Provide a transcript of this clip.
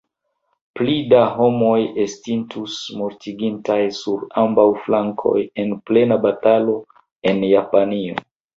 Pli da homoj estintus mortigitaj sur ambaŭ flankoj en plena batalo en Japanio.